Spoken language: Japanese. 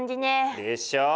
でしょう？